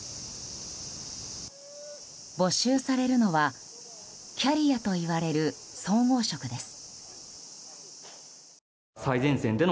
募集されるのはキャリアといわれる総合職です。